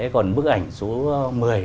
còn bức ảnh số một mươi